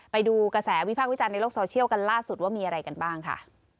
ไปดูกระแสวิพากษ์วิจารณ์ในโลกโซเชียลกันล่าสุดว่ามีอะไรกันบ้างค่ะ